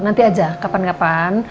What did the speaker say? nanti aja kapan kapan